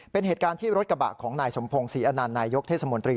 เป็นเหตุการณ์ที่รถกระบะของนายสมพงศรีอนันต์นายยกเทศมนตรี